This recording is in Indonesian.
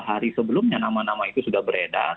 hari sebelumnya nama nama itu sudah beredar